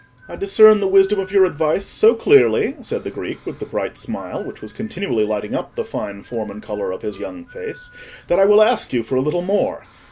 "I discern the wisdom of your advice so clearly," said the Greek, with the bright smile which was continually lighting up the fine form and colour of his young face, "that I will ask you for a little more.